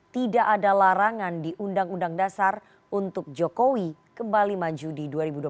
tidak ada larangan di undang undang dasar untuk jokowi kembali maju di dua ribu dua puluh